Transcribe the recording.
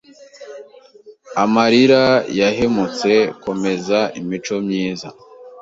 amarira yahemutse `Komeza imico myiza